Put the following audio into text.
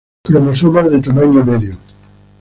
Cromosomas de ‘tamaño medio’.